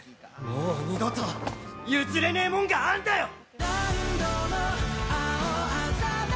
もう二度と譲れねえもんがあんだよ！